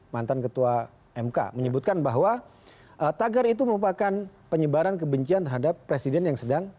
mantan ketua mk menyebutkan bahwa tagar itu merupakan penyebaran kebencian terhadap presiden yang sedang